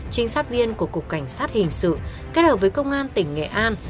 trinh sát viên của cục cảnh sát hình sự kết hợp với công an tỉnh nghệ an